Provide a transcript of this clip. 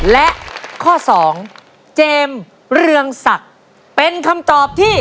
และข้อสองเจมส์เรืองศักดิ์เป็นคำตอบที่